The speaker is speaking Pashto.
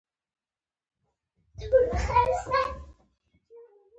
جان مې نن ګورکي ولسوالۍ بازار ته لاړم او تاته مې شال راوړل.